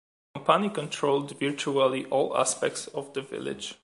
The company controlled virtually all aspects of the village.